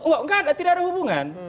wah nggak tidak ada hubungan